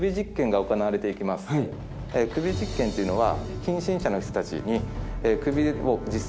首実検っていうのは。